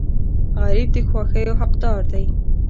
غریب د خوښیو حقدار دی